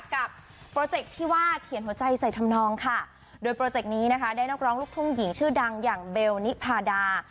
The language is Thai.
โปรเจคที่ว่าเขียนหัวใจใส่ทำนองค่ะโดยโปรเจกต์นี้นะคะได้นักร้องลูกทุ่งหญิงชื่อดังอย่างเบลนิพาดา